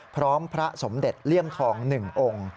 พระสมเด็จเลี่ยมทอง๑องค์